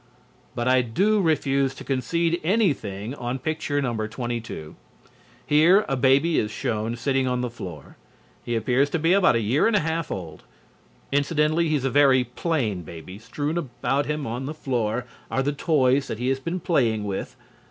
But I do refuse to concede anything on Picture No. 22. Here a baby is shown sitting on the floor. He appears to be about a year and a half old. Incidentally, he is a very plain baby. Strewn about him on the floor are the toys that he has been playing with.